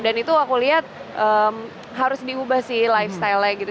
dan itu aku lihat harus diubah sih lifestyle nya gitu